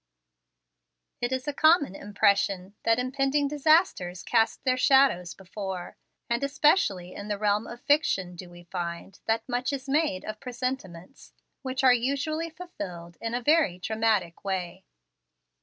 It is a common impression that impending disasters cast their shadows before; and especially in the realm of fiction do we find that much is made of presentiments, which are usually fulfilled in a very dramatic way.